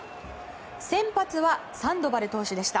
先発はサンドバル投手でした。